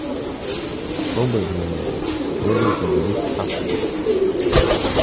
Особое внимание следует уделить Африке.